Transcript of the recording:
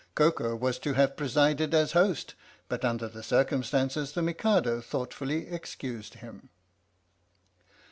Koko was to have presided as host, but under the circumstances the Mikado thoughtfully excused him.